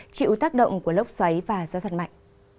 chịu tác động của lốc xoáy và gió giật mạnh